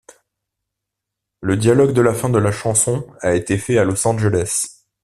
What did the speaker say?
Le dialogue de la fin de la chanson a été fait à Los Angeles.